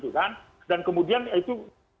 dan kemudian itu